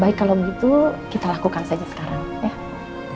baik kalau begitu kita lakukan saja sekarang ya